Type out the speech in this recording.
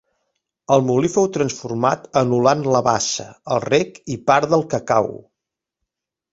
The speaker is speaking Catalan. El molí fou transformat anul·lant la bassa, el rec i part del cacau.